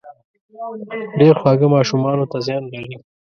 ډېر خواږه ماشومانو ته زيان لري